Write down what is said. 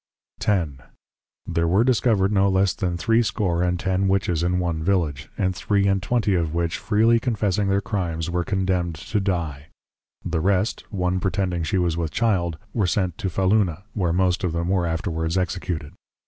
X. There were discovered no less than threescore and ten Witches in One Village, \three and twenty\ of which \freely confessing\ their Crimes, were condemned to dy. The rest, (\One\ pretending she was with Child) were sent to Fahluna, where most of them were afterwards executed.